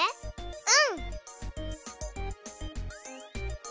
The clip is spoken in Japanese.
うん！